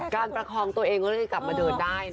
การประคองตัวเองก็เลยคือยังกลับมาเดินได้